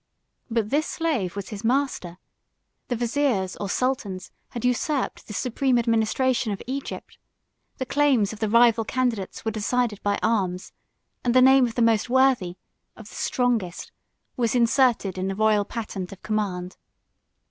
But this slave was his master: the viziers or sultans had usurped the supreme administration of Egypt; the claims of the rival candidates were decided by arms; and the name of the most worthy, of the strongest, was inserted in the royal patent of command.